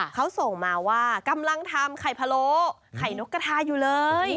เขาส่งมาว่ากำลังทำไข่พะโล้ไข่นกกระทาอยู่เลย